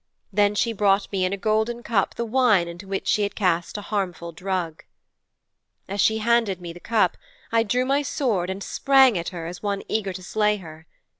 Then she brought me in a golden cup the wine into which she had cast a harmful drug.' 'As she handed me the cup I drew my sword and sprang at her as one eager to slay her.